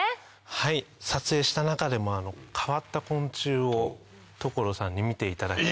はい撮影した中でも変わった昆虫を所さんに見ていただいて。